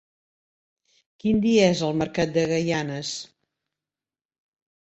Quin dia és el mercat de Gaianes?